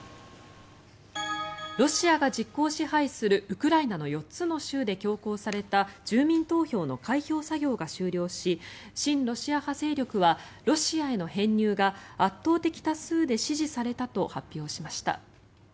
ロシアが実効支配するウクライナの４つの州で強行された住民投票の開票作業が終了し親ロシア派勢力はロシアの編入が圧倒的多数で支持されたと発表しました。